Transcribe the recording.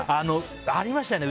ありましたね。